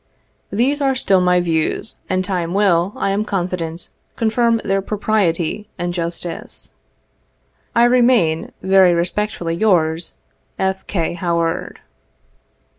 These are still my views, and time will, I am confident, confirm their propriety and justice. *' I remain, very respectfully yours, " F. K. HOWAED.